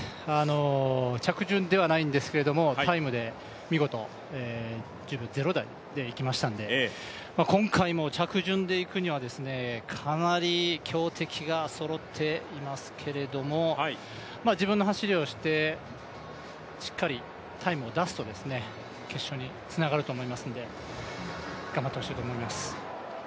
着順ではないんですが、タイムで１０秒０台でいきましたので今回も着順でいくにはかなり強敵がそろっていますけれども、自分の走りをしてしっかりタイムを出すと決勝につながると思いますんで頑張ってほしいと思います。